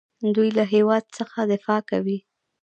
دوی له هیواد څخه دفاع کوي.